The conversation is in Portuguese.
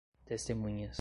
testemunhas